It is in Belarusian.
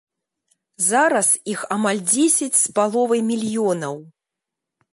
Зараз іх амаль дзесяць з паловай мільёнаў.